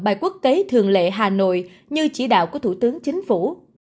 bài quốc tế thường lệ hà nội như chỉ đạo của thủ tướng chính phủ